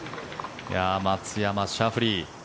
松山、シャフリー。